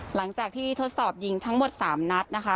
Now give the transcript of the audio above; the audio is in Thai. หลังจากที่ทดสอบยิงทั้งหมด๓นัดนะคะ